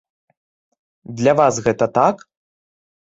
Для вас гэта так?